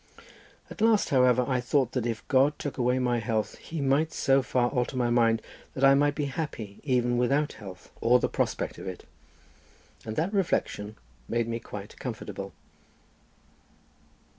At last, however, I thought that if God took away my health He might so far alter my mind that I might be happy even without health, or the prospect of it; and that reflection made me quite comfortable.